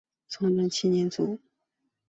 崇祯七年卒。